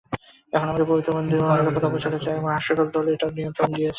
এখন আমাদের পবিত্র মন্দির অনিরাপদ অবস্থায় আছে, আর হাবুসকার দল এটার নিয়ন্ত্রণ নিয়েছে।